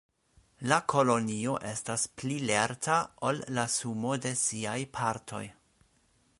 La kolonio estas pli lerta ol la sumo de siaj partoj.